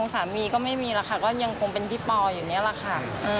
สามีก็ไม่มีแล้วค่ะก็ยังคงเป็นพี่ปออยู่นี่แหละค่ะ